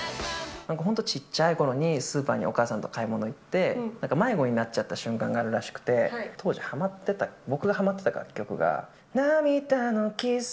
本当ちっちゃいころにスーパーにお母さんと買い物行って、迷子になっちゃった瞬間があるらしくて、当時、ハマってた、僕がハマってた楽曲が、涙のキッス